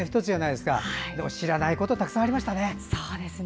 でも知らないことたくさんありましたね。